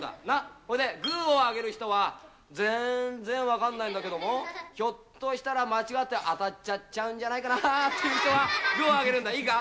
それでグーを挙げる人は、全然分かんないんだけども、ひょっとしたら間違って当たっちゃっちゃうんじゃないかなって人はグーを挙げるんだ、いいか。